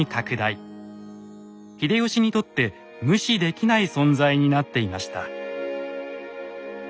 秀吉にとって無視できない存在になっていました。